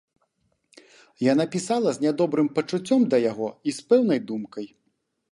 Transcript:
Яна пісала з нядобрым пачуццём да яго і з пэўнай думкай.